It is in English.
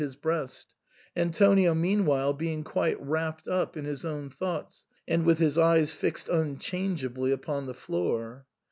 157 his breast, Antonio meanwhile being quite wrapt up in his own thoughts, and with his eyes fixed unchangeably upon the floor.